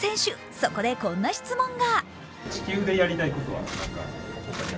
そこでこんな質問が。